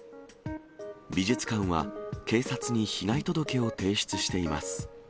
美術館は、警察に被害届を提出しています。